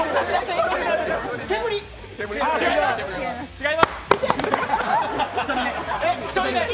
違います。